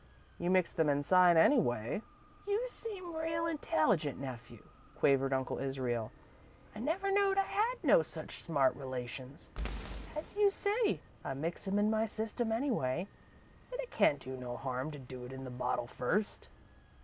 You mix them inside, anyway." "You seem real intelligent, nephew," quavered Uncle Israel. "I never knowed I had no such smart relations. As you say, I mix 'em in my system anyway, an' it can't do no harm to do it in the bottle first."